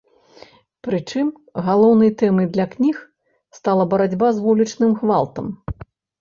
Прычым, галоўнай тэмай для кніг стала барацьба з вулічным гвалтам.